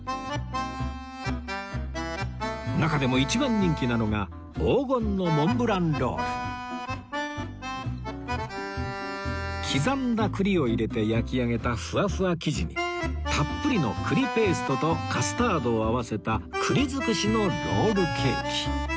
中でも一番人気なのが刻んだ栗を入れて焼き上げたふわふわ生地にたっぷりの栗ペーストとカスタードを合わせた栗尽くしのロールケーキ